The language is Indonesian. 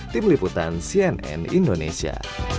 tim liputan cnn indonesia